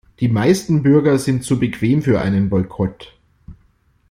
Die meisten Bürger sind zu bequem für einen Boykott.